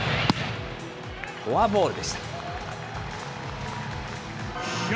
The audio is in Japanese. フォアボールでした。